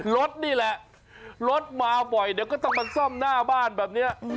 รถนี่แหละรถมาบ่อยเดี๋ยวก็ต้องมาซ่อมหน้าบ้านแบบนี้